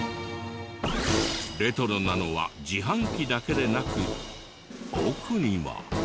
レトロなのは自販機だけでなく奥には。